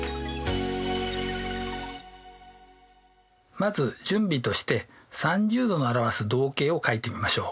まず準備として３０°の表す動径を書いてみましょう。